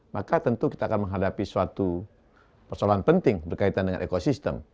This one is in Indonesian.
maka tentu kita akan menghadapi suatu persoalan penting berkaitan dengan ekosistem